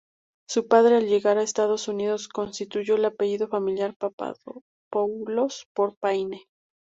Su padre, al llegar a Estados Unidos, sustituyó el apellido familiar Papadopoulos por Payne.